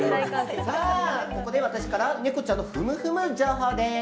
さあここで私からネコちゃんのふむふむ情報です。